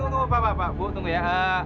tunggu tunggu tunggu bapak bu tunggu ya